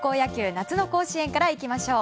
夏の甲子園から行きましょう。